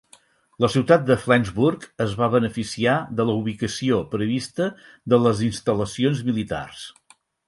La ciutat de Flensburg es va beneficiar de la ubicació prevista de les instal·lacions militars.